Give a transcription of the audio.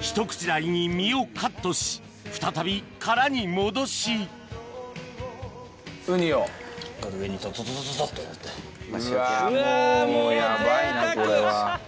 ひと口大に身をカットし再び殻に戻しうわもう贅沢！